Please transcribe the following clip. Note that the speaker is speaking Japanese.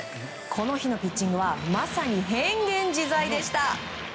この日のピッチングはまさに変幻自在でした。